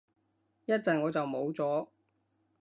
一陣我就冇咗